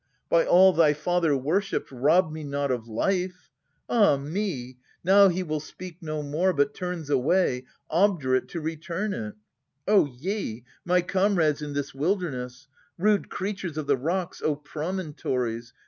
By all thy father worshipped, rob me not Of life !— Ah me ! Now he will speak no more, But turns away, obdurate to retain it. ye, my comrades in this wilderness, Rude creatures of the rocks, O promontories.